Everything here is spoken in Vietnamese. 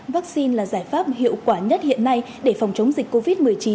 vaccine là giải pháp hiệu quả nhất hiện nay để phòng chống dịch covid một mươi chín